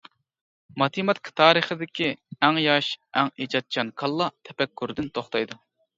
ماتېماتىكا تارىخىدىكى ئەڭ ياش، ئەڭ ئىجادچان كاللا تەپەككۇردىن توختايدۇ.